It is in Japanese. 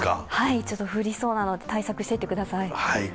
降りそうなので、対策していってください。